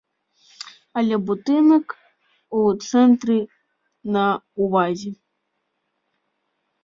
Але будынак у цэнтры, на ўвазе.